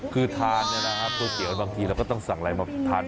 คือทานเนี้ยนะครับตัวเกี่ยวบางทีเราก็ต้องสั่งอะไรมาทาน